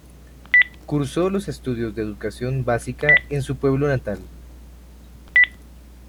Cursó los estudios de educación básica en su pueblo natal.